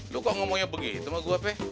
lo kok ngomongnya begitu mah gua peh